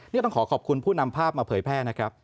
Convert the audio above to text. นี่ต้องขอขอบคุณผู้นำภาพมาเผยแพร่นะครับ